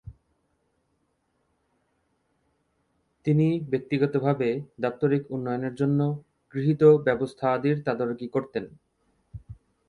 তিনি ব্যক্তিগতভাবে দাপ্তরিক উন্নয়নের জন্য গৃহীত ব্যবস্থাদির তদারকি করতেন।